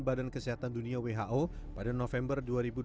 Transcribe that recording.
badan kesehatan dunia who pada november dua ribu dua puluh